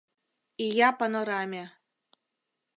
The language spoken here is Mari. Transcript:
Ия панораме